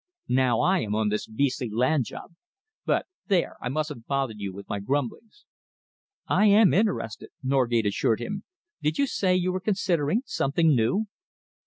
Now I am on this beastly land job but there, I mustn't bother you with my grumblings." "I am interested," Norgate assured him. "Did you say you were considering something new?"